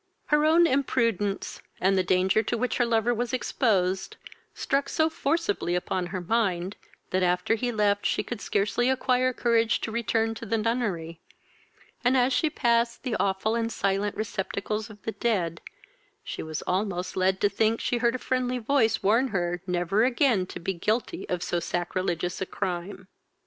Her own imprudence, and the danger to which her lover was exposed, struck so forcibly upon her mind, that after he left her she could scarcely acquire courage to return to the nunnery; and, as she passed the aweful and silent receptacles of the dead, she was almost led to think she heard a friendly voice warn her never again to be guilty of so sacrilegious a crime.